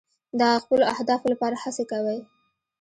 د خپلو اهدافو لپاره هڅې کوئ.